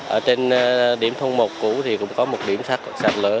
ở trên điểm thôn một cũ thì cũng có một điểm sạt lở